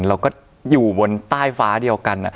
เราก็อยู่บนใต้ฟ้าเดียวกัน